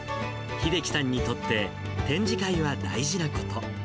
秀樹さんにとって、展示会は大事なこと。